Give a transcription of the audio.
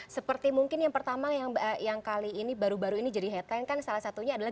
seperti mungkin yang pertama yang kali ini baru baru ini jadi headline kan salah satunya adalah